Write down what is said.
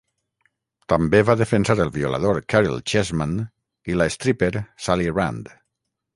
També va defensar el violador Caryl Chessman i la stripper Sally Rand.